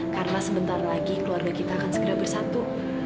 karena sebentar lagi keluarga kita akan segera bersatu